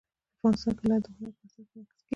افغانستان کې لعل د هنر په اثار کې منعکس کېږي.